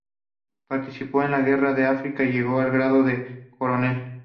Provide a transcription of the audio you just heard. Participó en la guerra de África y llegó al grado de coronel.